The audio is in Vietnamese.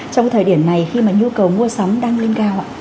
trong cái thời điểm này khi mà nhu cầu mua sóng đang lên cao ạ